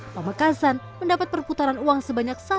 pamekasan mendapat perputaran uang sebanyak